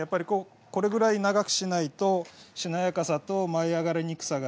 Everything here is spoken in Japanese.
これぐらい長くしないとしなやかさと舞い上がりにくさが